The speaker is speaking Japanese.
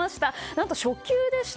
何と、初球でした。